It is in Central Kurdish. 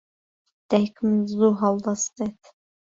دایکم زوو هەڵدەستێت.